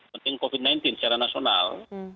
penting covid sembilan belas secara nasional